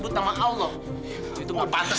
kenapa sih itu